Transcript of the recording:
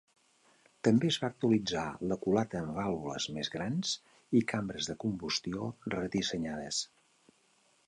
També es va actualitzar la culata amb vàlvules més grans i cambres de combustió redissenyades.